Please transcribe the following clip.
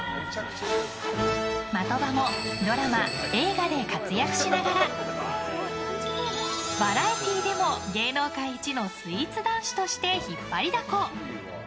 的場もドラマ、映画で活躍しながらバラエティーでも芸能界イチのスイーツ男子として引っ張りだこ。